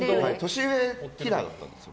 年上キラーだったんですよ。